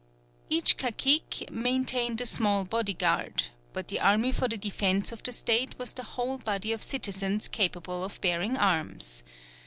Each cacique maintained a small bodyguard; but the army for the defence of the State was the whole body of citizens capable of bearing arms.